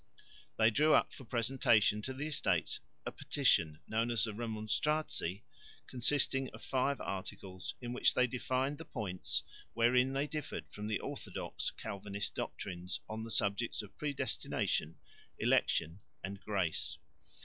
They drew up for presentation to the Estates a petition, known as the Remonstratie, consisting of five articles, in which they defined the points wherein they differed from the orthodox Calvinist doctrines on the subjects of predestination, election and grace.